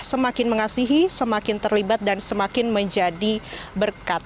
semakin mengasihi semakin terlibat dan semakin menjadi berkat